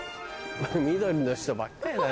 緑の人ばっかりだな。